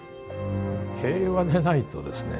平和でないとですね